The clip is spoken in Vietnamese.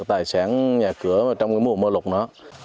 tài sản nhà cửa trong mùa mưa lụt nữa